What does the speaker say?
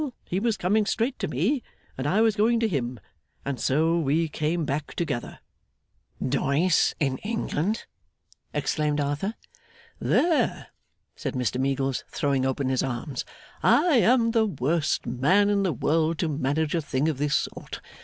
He was coming straight to me, and I was going to him, and so we came back together.' 'Doyce in England!' exclaimed Arthur. 'There!' said Mr Meagles, throwing open his arms. 'I am the worst man in the world to manage a thing of this sort.